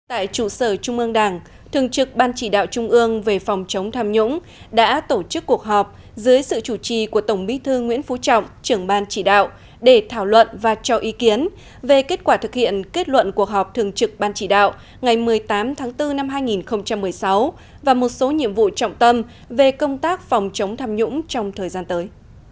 tại chủ sở trung ương đảng thường trực ban chỉ đạo trung ương về phòng chống tham nhũng đã tổ chức cuộc họp dưới sự chủ trì của tổng bí thư nguyễn phú trọng trưởng ban chỉ đạo để thảo luận và cho ý kiến về kết quả thực hiện kết luận cuộc họp thường trực ban chỉ đạo ngày một mươi tám tháng bốn năm hai nghìn một mươi sáu và một số nhiệm vụ trọng tâm về công tác phòng chống tham nhũng trong thời gian tới